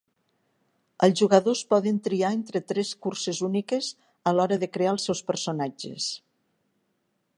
Els jugadors poden triar entre tres curses úniques a l'hora de crear els seus personatges.